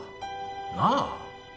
なあ？